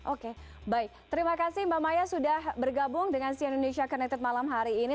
oke baik terima kasih mbak maya sudah bergabung dengan cn indonesia connected malam hari ini